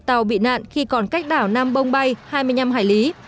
tàu bị nạn khi còn cách đảo nam bông bay hai mươi năm hải lý